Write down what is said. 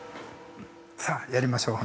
さあ、やりましょう。